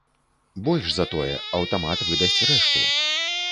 Больш за тое, аўтамат выдасць рэшту.